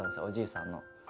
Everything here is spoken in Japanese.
おじいさんの。